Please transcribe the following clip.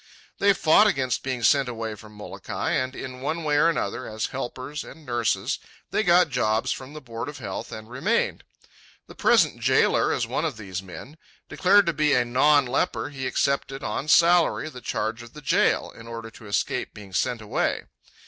They fought against being sent away from Molokai, and in one way or another, as helpers and nurses, they got jobs from the Board of Health and remained. The present jailer is one of these men. Declared to be a non leper, he accepted, on salary, the charge of the jail, in order to escape being sent away.